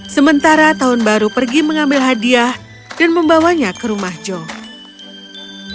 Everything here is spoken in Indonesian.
sementara tahun baru pergi mengambil hadiah dan membawanya ke rumah joe